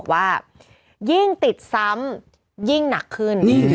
ว่ายิ่งติดซ้ำยิ่งหนักขึ้น